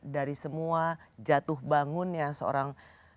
dari semua jatuh bangun yang seorang